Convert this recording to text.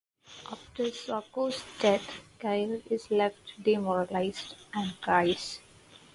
After Sarko's death, Kyle is left demoralised and cries.